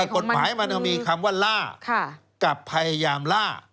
กฎหมายมันมีคำว่าล่ากับพยายามล่า